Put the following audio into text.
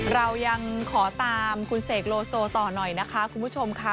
เรายังขอตามคุณเสกโลโซต่อหน่อยนะคะคุณผู้ชมค่ะ